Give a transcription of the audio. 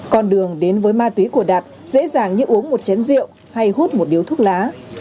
con đường đến với ma túy của đạt dễ dàng như uống một chén rượu hay hút một điếu thuốc lá